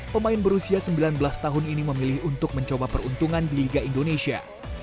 pemain berusia sembilan belas tahun ini memilih untuk mencoba peruntungan di liga indonesia